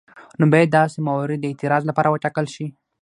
نو باید داسې موارد د اعتراض لپاره وټاکل شي.